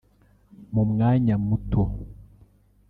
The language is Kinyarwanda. mu mwanya muto